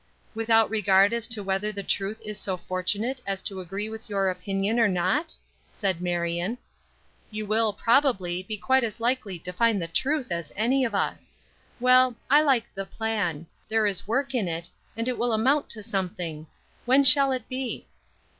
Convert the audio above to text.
"Without regard as to whether the truth is so fortunate as to agree with your opinion or not?" said Marion. "You will, probably, be quite as likely to find the truth as any of us. Well, I like the plan; there is work in it, and it will amount to something. When shall it be?"